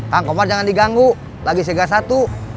kang komar jangan diganggu lagi siga satu